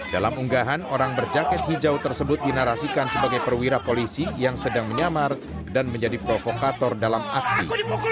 dalam unggahan orang berjaket hijau tersebut dinarasikan sebagai perwira polisi yang sedang menyamar dan menjadi provokator dalam aksi